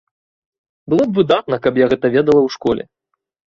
Было б выдатна, каб я гэта ведала ў школе.